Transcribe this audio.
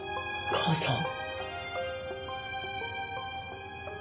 母さん。